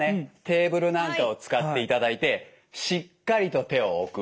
テーブルなんかを使っていただいてしっかりと手を置く。